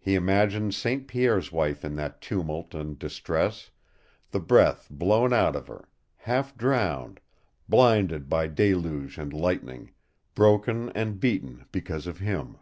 He imagined St. Pierre's wife in that tumult and distress the breath blown out of her, half drowned, blinded by deluge and lightning, broken and beaten because of him.